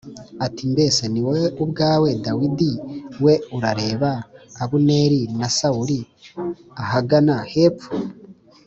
ati mbese ni wowe ubwawe Dawidi we Urareba Abuneri na Sawuli ahagana hepfo